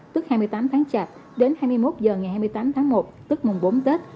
tức hai mươi tám tháng chạp đến hai mươi một h ngày hai mươi tám tháng một tức mùng bốn tết